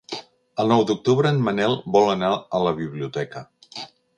El nou d'octubre en Manel vol anar a la biblioteca.